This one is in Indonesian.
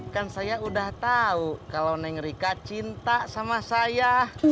kan saya udah tahu kalau nengrika cinta sama saya